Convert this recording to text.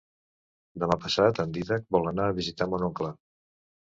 Demà passat en Dídac vol anar a visitar mon oncle.